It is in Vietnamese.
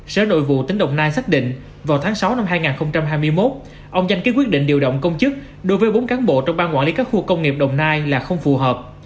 sở nội vụ tỉnh đồng nai xác định vào tháng sáu năm hai nghìn hai mươi một ông danh ký quyết định điều động công chức đối với bốn cán bộ trong ban quản lý các khu công nghiệp đồng nai là không phù hợp